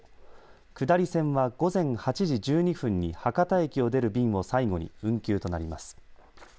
下り線は午前８時１２分に博多駅を出る便を最後に運休となります。